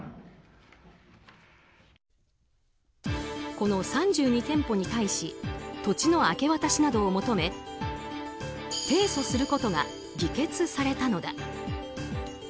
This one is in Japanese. この３２店舗に対し土地の明け渡しなどを求め提訴することが議決されたのだ。